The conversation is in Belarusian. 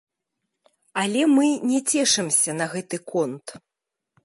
Але мы не цешымся на гэты конт.